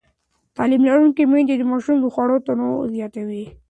تعلیم لرونکې میندې د ماشومانو د خواړو تنوع زیاتوي.